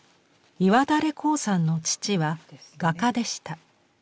岩垂紅さんの父は画家でした。